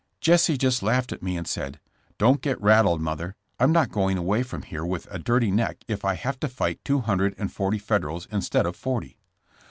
"Jesse just laughed at me and said: 'Don't get rattled, mother. I'm not going away from here with a dirty neck if I have to fight two hundred and forty Federals instead of forty.'